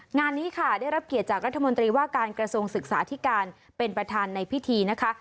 งานนี้ค่ะได้รับเกียรติจากรัฐมนตรีว่าการกระทรวงศึกษาที่การเป็นประธานในพิธีนะคะ